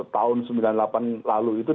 tahun sembilan puluh delapan lalu itu